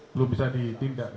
belum bisa ditindakkan